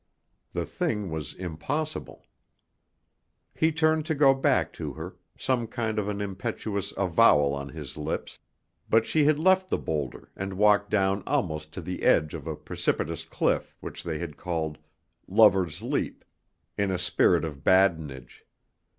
The thing was impossible. He turned to go back to her, some kind of an impetuous avowal on his lips, but she had left the boulder and walked down almost to the edge of a precipitous cliff which they had called "Lover's Leap," in a spirit of badinage.